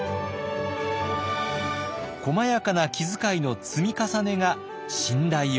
「細やかな気遣いの積み重ねが信頼を生む！」。